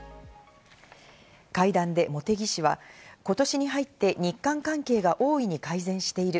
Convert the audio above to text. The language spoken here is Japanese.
会談で茂木氏は、今年に入って日韓関係が大いに改善している。